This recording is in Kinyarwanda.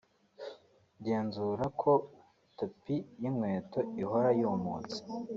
Genzura ko tapis y’inkweto ihora yumutse